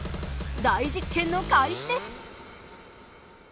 大実験の開始です！